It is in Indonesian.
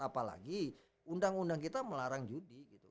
apalagi undang undang kita melarang judi gitu